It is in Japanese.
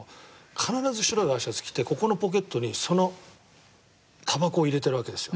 必ず白いＹシャツ着てここのポケットにそのタバコを入れてるわけですよ。